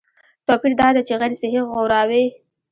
توپیر دا دی چې غیر صحي غوراوي